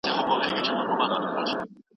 هغه د خپل منفي لیدلوري له امله ځورېده.